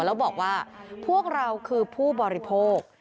แล้วบอกว่าพวกเราคือผู้บริโภค